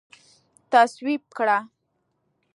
تصویب کړه